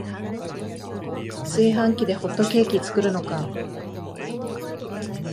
炊飯器でホットケーキ作るのか